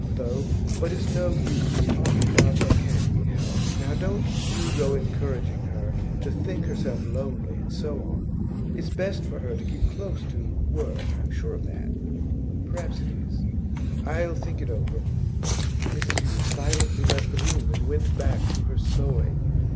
Though But it's no use talking about what can't be helped. Now don't you go encouraging her to think herself lonely, and so on. It's best for her to keep close to work, I'm sure of that.' 'Perhaps it is.' 'I'll think it over.' Mrs Yule silently left the room, and went back to her sewing.